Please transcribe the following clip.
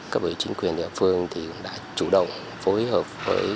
cấp ủy chính quyền địa phương cũng đã chủ động phối hợp với cấp ủy chính quyền